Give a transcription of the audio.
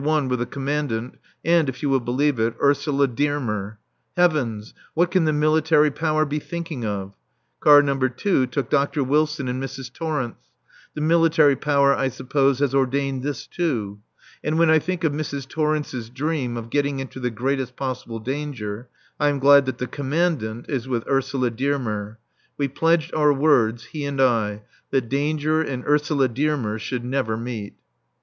1 with the Commandant and, if you will believe it, Ursula Dearmer. Heavens! What can the Military Power be thinking of? Car No. 2 took Dr. Wilson and Mrs. Torrence. The Military Power, I suppose, has ordained this too. And when I think of Mrs. Torrence's dream of getting into the greatest possible danger, I am glad that the Commandant is with Ursula Dearmer. We pledged our words, he and I, that danger and Ursula Dearmer should never meet.